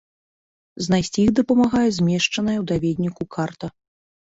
Знайсці іх дапамагае змешчаная ў даведніку карта.